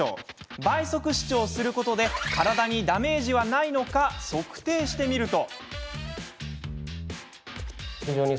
倍速視聴することで体にダメージはないのか測定してみると。